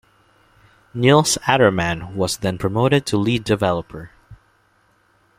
Nils Adermann was then promoted to Lead Developer.